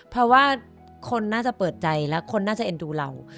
เพราะว่าคนน่าจะเปิดใจและคนน่าจะเอ็นดูเรา